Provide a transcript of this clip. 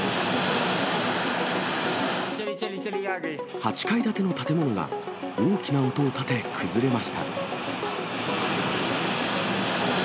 ８階建ての建物が、大きな音を立て崩れました。